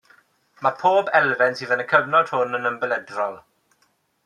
Mae pob elfen sydd yn y cyfnod hwn yn ymbelydrol.